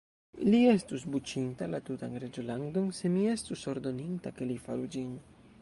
Li estus buĉinta la tutan reĝolandon, se mi estus ordoninta, ke li faru ĝin.